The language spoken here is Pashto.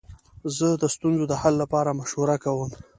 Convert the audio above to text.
زه د ستونزو د حل لپاره مشوره کوم.